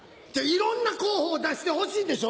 いろんな候補を出してほしいでしょう。